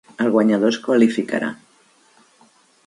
El guanyador es qualificarà.